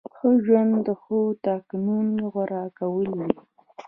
ښه ژوند د ښو ټاکنو غوره کول دي.